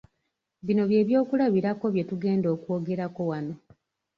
Bino bye by'okulabirako bye tugenda okwogerako wano.